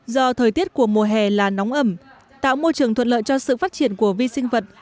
do thời tiết của mùa hè là nóng ẩm tạo môi trường thuận lợi cho sự phát triển của vi sinh vật